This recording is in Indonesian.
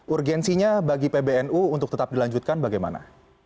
urgensinya bagi pbnu untuk tetap dilanjutkan bagaimana